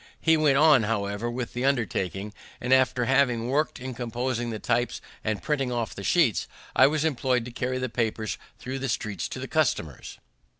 He went on, however, with the undertaking, and after having worked in composing the types and printing off the sheets, I was employed to carry the papers thro' the streets to the customers.